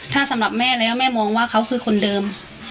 ถ้าสำหรับแม่แล้วแม่มองว่าเขาคือคนเดิม